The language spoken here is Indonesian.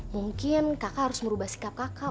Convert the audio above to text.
mungkin kakak harus merubah sikap kakak